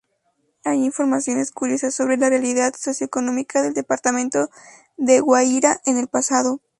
Hay informaciones curiosas sobre la realidad socioeconómica del Departamento de Guairá en el pasado.